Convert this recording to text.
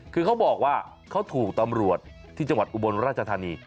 คือเขาบอกว่าเขาถูกตำรวจที่จังหวัดอุบลราชธานี